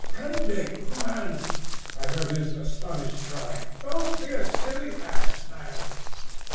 "Prendick, man!" I heard his astonished cry, "don't be a silly ass, man!"